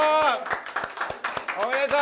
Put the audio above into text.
おめでとう！